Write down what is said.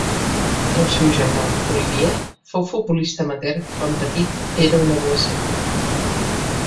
El seu germà Olivier fou futbolista amateur quan Petit era un adolescent.